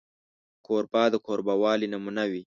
کوربه د کوربهوالي نمونه وي.